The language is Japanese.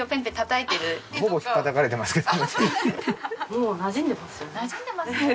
もうなじんでますよね。